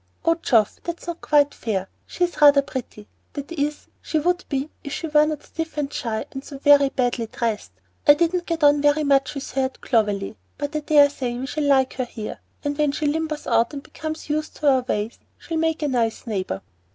"Oh, Geoff, that's not quite fair. She's rather pretty, that is, she would be if she were not stiff and shy and so very badly dressed. I didn't get on very much with her at Clovelly, but I dare say we shall like her here; and when she limbers out and becomes used to our ways, she'll make a nice neighbor."